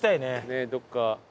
ねっどっか。